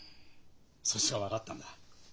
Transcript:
そいつが分かったんだ。